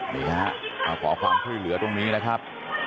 นี่ฮะมาขอความช่วยเหลือตรงนี้นะครับ